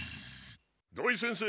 ・土井先生！